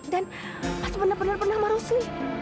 dan mas benar benar pernah sama rusli